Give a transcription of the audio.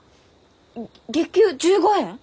月給１５円！？